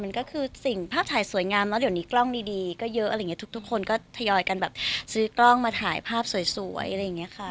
มันก็คือสิ่งภาพถ่ายสวยงามแล้วเดี๋ยวนี้กล้องดีก็เยอะอะไรอย่างเงี้ทุกคนก็ทยอยกันแบบซื้อกล้องมาถ่ายภาพสวยอะไรอย่างนี้ค่ะ